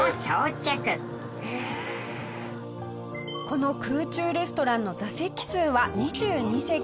この空中レストランの座席数は２２席。